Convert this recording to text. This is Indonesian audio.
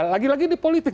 lagi lagi di politik